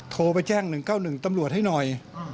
โทรไปแจ้ง๑๙๑ตำรวจให้หน่อย